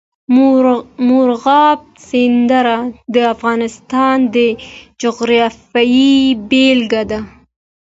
مورغاب سیند د افغانستان د جغرافیې بېلګه ده.